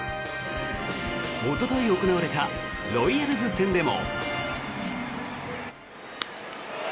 おととい行われたロイヤルズ戦でも。